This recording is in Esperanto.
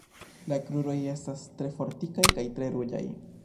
La kruroj estas tre fortikaj kaj tre ruĝaj.